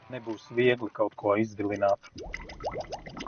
Nebūs viegli kaut ko izvilināt.